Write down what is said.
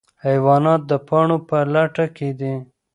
حیوانات د پاڼو په لټه کې دي.